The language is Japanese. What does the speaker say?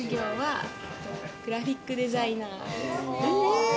グラフィックデザイナーです。